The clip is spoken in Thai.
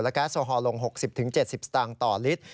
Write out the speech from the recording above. แก๊สโซฮอลลง๖๐๗๐สตางค์ต่อลิตร